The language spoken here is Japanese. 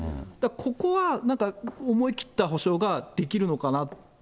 ここは、なんか思い切った補償ができるのかな。